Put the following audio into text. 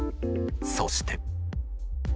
そして。